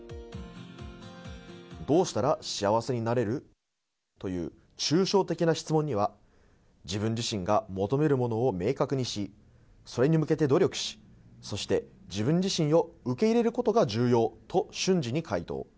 どうしたら幸せになれるという抽象的な質問には自分が求めるものを明確にしそれを努力しそして自分自身を受け入れることが重要、と回答。